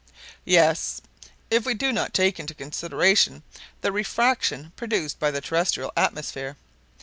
"Yes, if we do not take into consideration the refraction produced by the terrestrial atmosphere.